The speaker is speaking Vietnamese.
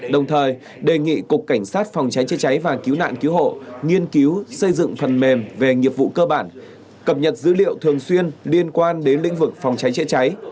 đồng thời đề nghị cục cảnh sát phòng cháy chế cháy và cứu nạn cứu hộ nghiên cứu xây dựng phần mềm về nghiệp vụ cơ bản cập nhật dữ liệu thường xuyên liên quan đến lĩnh vực phòng cháy chữa cháy